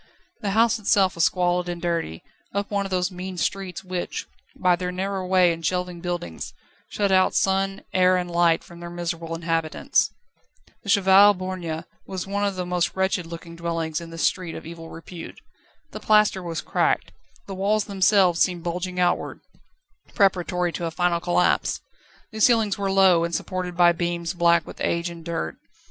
The house itself was squalid and dirty, up one of those mean streets which, by their narrow way and shelving buildings, shut out sun, air, and light from their miserable inhabitants. The Cheval Borgne was one of the most wretched looking dwellings in this street of evil repute. The plaster was cracked, the walls themselves seemed bulging outward, preparatory to a final collapse. The ceilings were low, and supported by beams black with age and dirt.